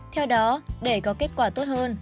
theo đó để có kết quả tốt hơn